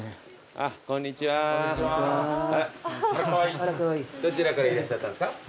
どちらからいらっしゃったんですか？